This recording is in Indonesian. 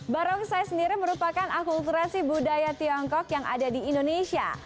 barongsai sendiri merupakan akulturasi budaya tiongkok yang ada di indonesia